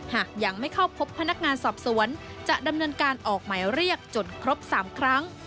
หากยังไม่เข้าพบพนักงานสอบสวนจะดำเนินการออกหมายเรียกจนครบ๓ครั้ง